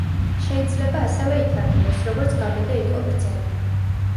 შეიძლება ასევე ითარგმნოს როგორც „გაბედე იყო ბრძენი“.